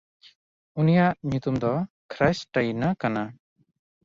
ᱩᱱᱤᱭᱟᱜ ᱧᱩᱛᱩᱢ ᱫᱚ ᱠᱷᱨᱭᱥᱴᱭᱤᱱᱟ ᱠᱟᱱᱟ᱾